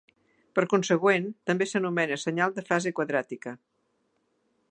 Per consegüent, també s'anomena senyal de fase quadràtica.